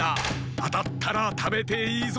あたったらたべていいぞ。